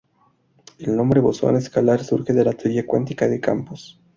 El nombre "bosón escalar" surge de la Teoría cuántica de campos.